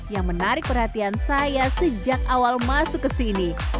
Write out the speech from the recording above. yang menarik perhatian saya sejak awal masuk ke sini